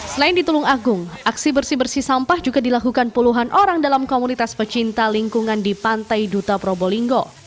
selain di tulung agung aksi bersih bersih sampah juga dilakukan puluhan orang dalam komunitas pecinta lingkungan di pantai duta probolinggo